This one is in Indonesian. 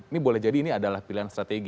ini boleh jadi ini adalah pilihan strategi